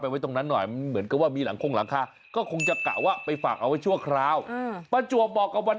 วันนั้นมันฝนตก